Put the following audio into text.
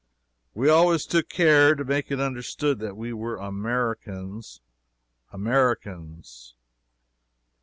We always took care to make it understood that we were Americans Americans!